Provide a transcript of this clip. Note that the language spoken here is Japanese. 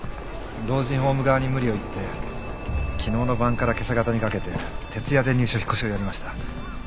老人ホーム側に無理を言って昨日の晩から今朝方にかけて徹夜で入所引っ越しをやりました。